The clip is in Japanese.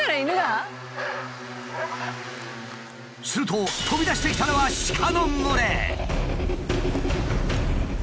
すると飛び出してきたのは鹿の群れ！